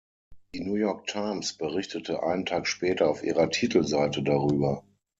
Die New York Times berichtete einen Tag später auf ihrer Titelseite darüber.